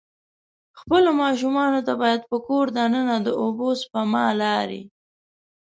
خپلو ماشومان ته باید په کور د ننه د اوبه سپما لارې.